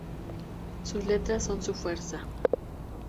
Sus letras son su fuerza".